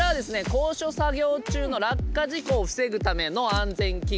高所作業中の落下事故を防ぐための安全器具。